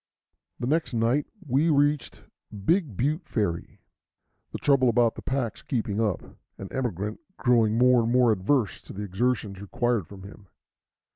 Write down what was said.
The next night we reached Big Butte Ferry, the trouble about the packs keeping up, and Emigrant growing more and more averse to the exertions required from him.